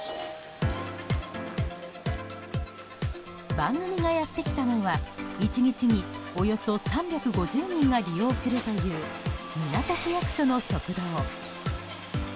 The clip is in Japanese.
番組がやってきたのは１日に、およそ３５０人が利用するという港区役所の食堂。